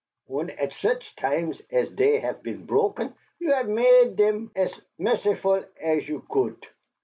Und at such times as dey het been broken, you hef made dem as mertsiful as you coult.